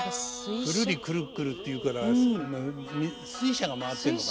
「くるりくるくる」っていうから水車が回ってるのかな